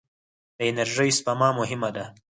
د انرژۍ سپما مهمه ده.